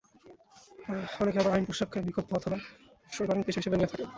অনেকে আবার আইন পেশাকে বিকল্প অথবা অবসরকালীন পেশা হিসেবে নিয়ে থাকেন।